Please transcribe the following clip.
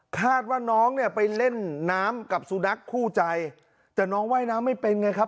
คาดว่าน้องเนี่ยไปเล่นน้ำกับสุนัขคู่ใจแต่น้องว่ายน้ำไม่เป็นไงครับ